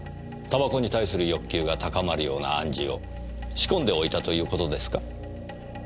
煙草に対する欲求が高まるような暗示を仕込んでおいたということですか？